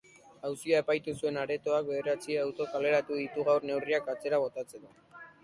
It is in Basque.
Auzia epaitu zuen aretoak bederatzi auto kaleratu ditu gaur neurriak atzera botatzeko.